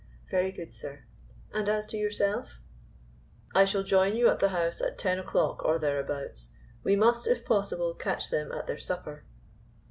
"Very good, sir. And as to yourself?" "I shall join you at the house at ten o'clock, or thereabouts. We must, if possible, catch them at their supper."